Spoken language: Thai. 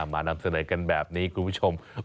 นำเสนอกันแบบนี้คุณผู้ชม